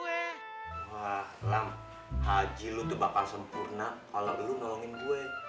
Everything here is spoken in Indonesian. wah lam haji lo tebakan sempurna kalau lo nolongin gue